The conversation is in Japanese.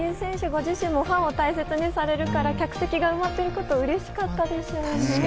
ご自身もファンを大切にされるから客席が埋まっていることがうれしかったでしょうね。